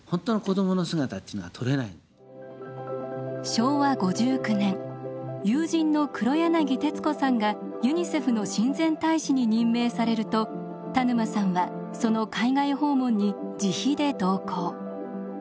昭和５９年友人の黒柳徹子さんがユニセフの親善大使に任命されると田沼さんはその海外訪問に自費で同行。